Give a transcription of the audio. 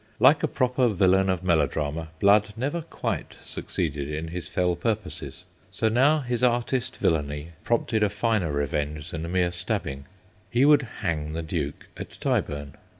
Like a proper villain of melodrama, Blood never quite succeeded in his fell purposes. So now his artist villainy prompted a finer revenge than mere stabbing. He would hang the Duke at Tyburn.